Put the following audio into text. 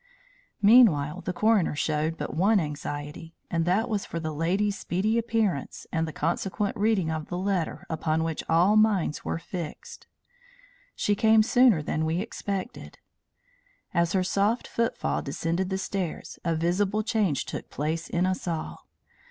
Meanwhile the coroner showed but one anxiety, and that was for the lady's speedy appearance and the consequent reading of the letter upon which all minds were fixed. She came sooner than we expected. As her soft footfall descended the stairs a visible change took place in us all.